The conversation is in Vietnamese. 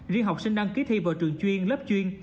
riêng học sinh đăng ký thi vào trường chuyên lớp chuyên